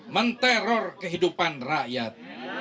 menteror kehidupan rakyat